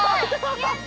やった！